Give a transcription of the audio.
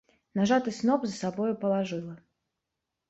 Нажаты сноп за сабою палажыла.